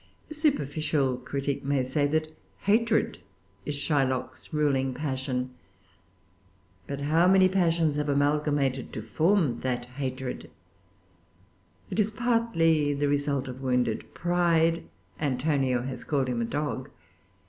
A superficial critic may say that hatred is Shylock's ruling passion. But how many passions have amalgamated to form that hatred? It is partly the result of wounded pride: Antonio has called him dog.